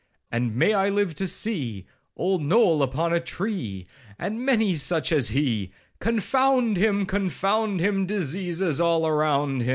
'And may I live to see Old Noll upon a tree, And many such as he; Confound him, confound him, Diseases all around him.'